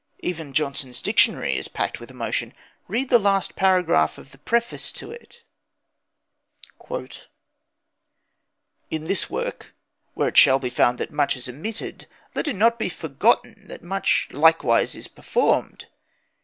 Even Johnson's Dictionary is packed with emotion. Read the last paragraph of the preface to it: "In this work, when it shall be found that much is omitted, let it not be forgotten that much likewise is performed....